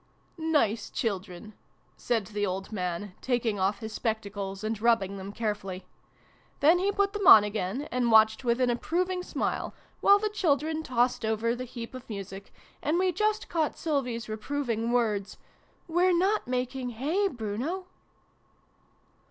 " Nice children !" said the old man, taking off his spectacles and rubbing them carefully. Then he put them on again, and watched with an approving smile, while the children tossed over the heap of music, and we just caught Sylvie's reproving words, " We're not making hay, Bruno